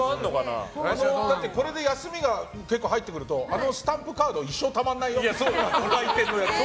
これで休みが入ってくるとあのスタンプカード一生たまらないよ。